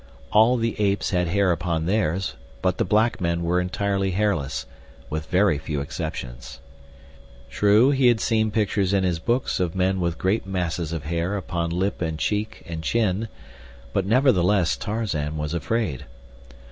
All the apes had hair upon theirs but the black men were entirely hairless, with very few exceptions. True, he had seen pictures in his books of men with great masses of hair upon lip and cheek and chin, but, nevertheless, Tarzan was afraid.